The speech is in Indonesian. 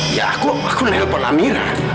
ya aku aku nelpon amira